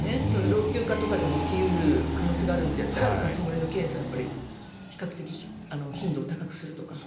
老朽化とかでも起き得る可能性があるんだったらガス漏れの検査は比較的、頻度を高くするとか。